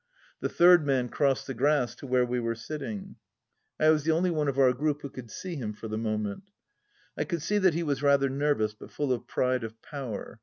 The third man crossed the grass to where we were sitting. I was the only one of our group who could see him, for the moment. ... I could see that he was rather nervous, but full of pride of power.